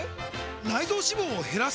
内臓脂肪を減らす！？